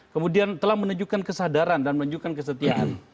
kemudian telah menunjukkan kesadaran dan menunjukkan kesetiaan